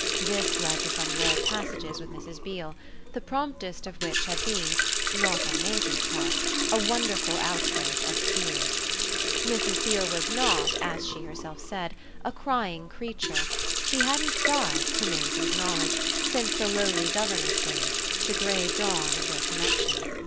This led to some rare passages with Mrs. Beale, the promptest of which had been not on Maisie's part a wonderful outbreak of tears. Mrs. Beale was not, as she herself said, a crying creature: she hadn't cried, to Maisie's knowledge, since the lowly governess days, the grey dawn of their connexion.